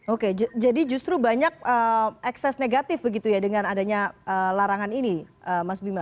oke jadi justru banyak ekses negatif begitu ya dengan adanya larangan ini mas bima